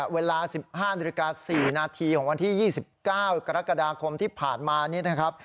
เวลา๑๕นาฬิกา๔นาทีของวันที่๒๙กรกฎาคมที่ผ่านมานี้นะครับ